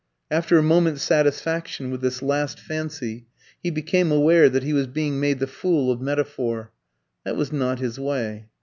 After a moment's satisfaction with this last fancy, he became aware that he was being made the fool of metaphor. That was not his way.